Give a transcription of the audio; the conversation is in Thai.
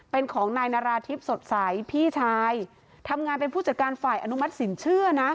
เป็นของนายนาราธิบสดใสพี่ชายทำงานเป็นผู้จัดการฝ่ายอนุมัติสินเชื่อนะ